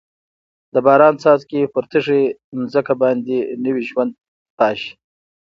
د باران څاڅکي پر تږې ځمکه باندې نوي ژوند پاشي.